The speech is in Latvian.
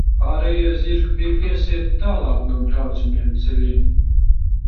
Pārējie zirgi bija piesieti tālāk no braucamiem ceļiem.